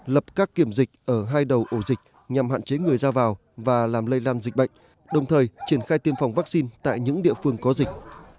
lập các kiểm dịch ở hai đầu ổ dịch nhằm hạn chế người ra vào và làm lây lan dịch bệnh đồng thời triển khai tiêm phòng vaccine tại những địa phương có dịch